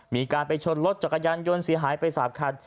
มีการไปชดรถจากการยันยนต์หายไปสาปคัน